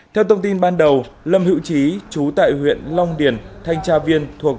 theo thông tin ban đầu lâm hữu trí chú tại huyện long điền thanh tra viên thuộc